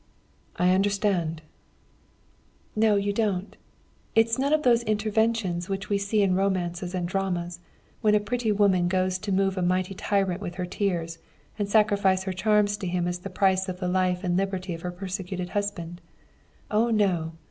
"I understand." "No, you don't. It is none of those interventions which we see in romances and dramas, when a pretty woman goes to move a mighty tyrant with her tears, and sacrifice her charms to him as the price of the life and liberty of her persecuted husband. Oh no!